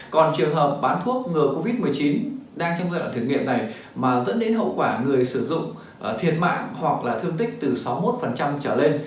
còn trường hợp bán thuốc ngừa covid một mươi chín đang trong giai đoạn thử nghiệm này mà dẫn đến hậu quả người sử dụng thiệt mạng hoặc là thương tích từ sáu mươi một trở lên